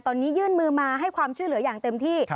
ตอนนี้ยื่นมือมาให้ความช่วยเหลืออย่างเต็มที่